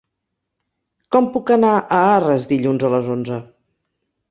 Com puc anar a Arres dilluns a les onze?